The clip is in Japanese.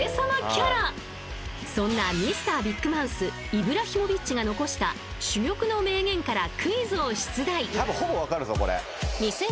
［そんなミスタービッグマウスイブラヒモビッチが残した珠玉の名言からクイズを出題］